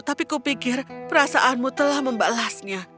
tapi kupikir perasaanmu telah membalasnya